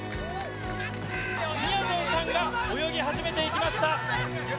みやぞんさんが泳ぎ始めていきました。